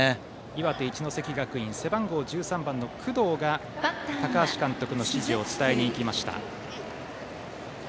岩手・一関学院背番号１３番の工藤が高橋監督の指示を伝えに行きました。